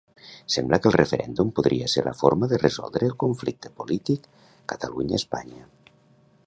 Sembla que el referèndum podria ser la forma de resoldre el conflicte polític Catalunya-Espanya.